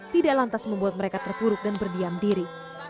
tidak lantas membuat mereka terpuruk dan berdiam diri